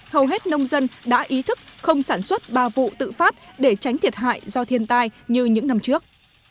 hầu hết nông dân đã ý thức không sản xuất ba vụ tự phát để tránh thiệt hại do thiên tai như những năm trước